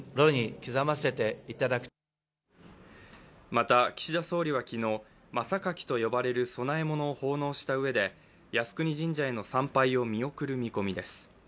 また岸田総理は昨日真榊と呼ばれる供え物を奉納したうえで、靖国神社への参拝を見送る見込みです。